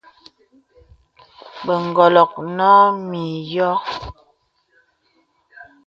Bə ǹgɔlɔk nɔ mì nyɔm.